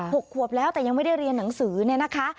หกขวบแล้วแต่ยังไม่ได้เรียนหนังสือเนี่ยนะคะ